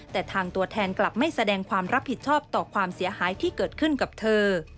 แต่ทางตัวแทนกลับไม่แสดงความรับผิดชอบต่อความเสียหายที่เกิดขึ้นกับเธอ